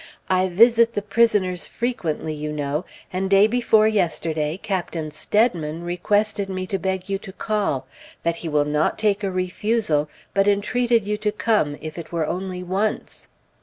"I visit the prisoners frequently, you know, and day before yesterday Captain Steadman requested me to beg you to call, that he will not take a refusal, but entreated you to come, if it were only once."